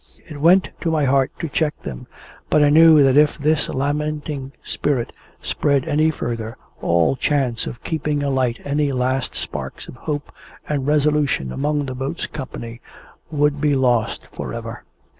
It went to my heart to check them; but I knew that if this lamenting spirit spread any further, all chance of keeping alight any last sparks of hope and resolution among the boat's company would be lost for ever.